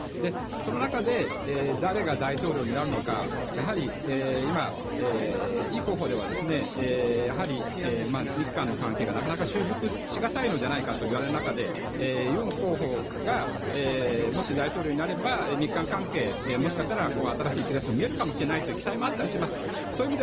その中で誰が大統領になるのかやはり今、イ候補ではやはり日韓の関係がなかなか修復し難いんじゃないかといわれる中でユン候補がもし大統領になれば日韓関係もしかしたら新しい兆しも見えるかという期待もあったりします。